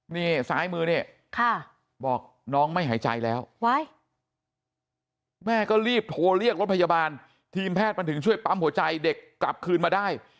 นี่ซ้ายมือนี่บอกน้องไม่หายใจแล้วแม่ก็รีบโทรเรียกรถพยาบาลทีมแพทย์มันถึงช่วยปั๊มหัวใจเด็กกลับคืนมาได้